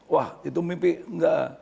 wah itu mimpi enggak